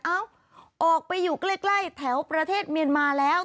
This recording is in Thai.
เอ้าออกไปอยู่ใกล้แถวประเทศเมียนมาแล้ว